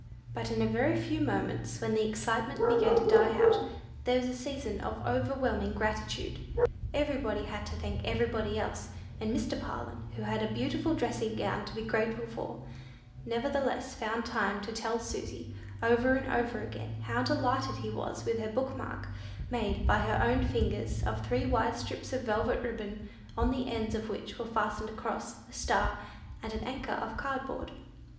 But in a very few moments, when the excitement began to die out, there was a season of overwhelming gratitude. Everybody had to thank everybody else; and Mr. Parlin, who had a beautiful dressing gown to be grateful for, nevertheless found time to tell Susy, over and over again, how delighted he was with her book mark, made, by her own fingers, of three wide strips of velvet ribbon; on the ends of which were fastened a cross, a star, and an anchor, of card board.